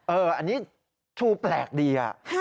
เอออันนี้ชูแปลกดีอ่ะ